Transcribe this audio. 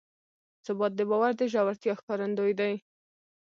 ثبات د باور د ژورتیا ښکارندوی دی.